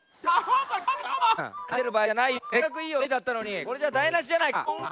せっかくいいおてんきだったのにこれじゃだいなしじゃないか！